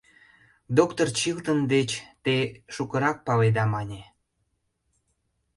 Доктыр Чилтон деч те шукырак паледа мане.